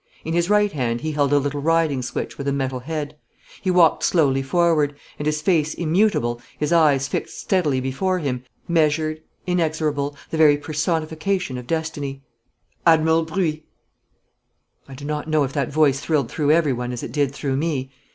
In his right hand he held a little riding switch with a metal head. He walked slowly forward, his face immutable, his eyes fixed steadily before him, measured, inexorable, the very personification of Destiny. 'Admiral Bruix!' I do not know if that voice thrilled through every one as it did through me.